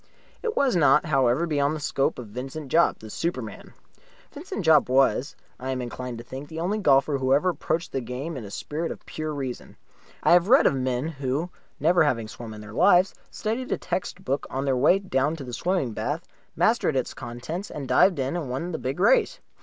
It was not, however, beyond the scope of Vincent Jopp, the superman. Vincent Jopp, was, I am inclined to think, the only golfer who ever approached the game in a spirit of Pure Reason. I have read of men who, never having swum in their lives, studied a text book on their way down to the swimming bath, mastered its contents, and dived in and won the big race.